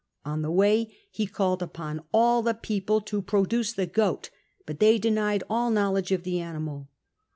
On the way he called upon all the people to produce the goat, but they denied all know ledge of the animal.